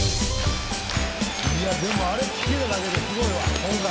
いやでもあれ聞けただけですごいわ今回は。